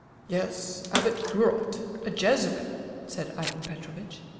"Yes—Abbot Gurot, a Jesuit," said Ivan Petrovitch.